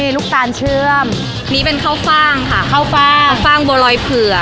ลูกตาลเชื่อมนี้เป็นข้าวฟ่างค่ะข้าวฟ่างฟ่างบัวรอยเผื่อ